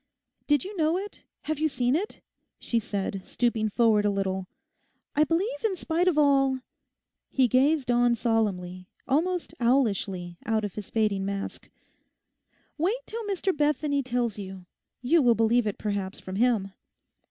'Did you know it? have you seen it?' she said, stooping forward a little. 'I believe in spite of all....' He gazed on solemnly, almost owlishly, out of his fading mask. 'Wait till Mr Bethany tells you; you will believe it perhaps from him.